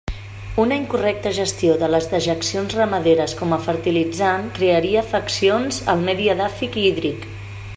Una incorrecta gestió de les dejeccions ramaderes com a fertilitzant crearia afeccions al medi edàfic i hídric.